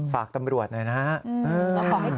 ฝากตำรวจหน่อยนะครับ